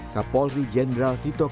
kapolri jenderal tito kudus